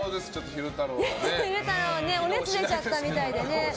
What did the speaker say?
昼太郎お熱出ちゃったみたいでね。